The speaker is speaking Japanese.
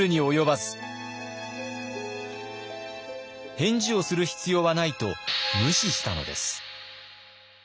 返事をする必要はないと無視したのです。